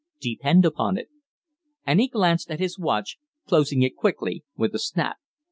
Depend upon it." And he glanced at his watch, closing it quickly with a snap.